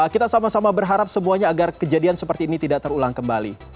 kita sama sama berharap semuanya agar kejadian seperti ini tidak terulang kembali